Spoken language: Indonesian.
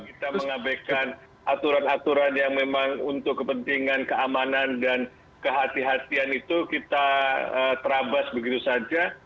kita mengabaikan aturan aturan yang memang untuk kepentingan keamanan dan kehatian itu kita terabas begitu saja